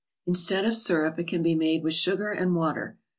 Instead of syrup, it can be made with sugar and water.